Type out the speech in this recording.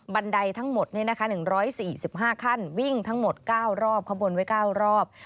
ไดทั้งหมด๑๔๕ขั้นวิ่งทั้งหมด๙รอบขบวนไว้๙รอบ